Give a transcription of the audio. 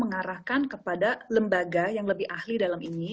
mengarahkan kepada lembaga yang lebih ahli dalam ini